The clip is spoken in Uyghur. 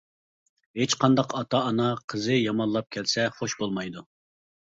ھېچقانداق ئاتا-ئانا قىزى يامانلاپ كەلسە خۇش بولمايدۇ.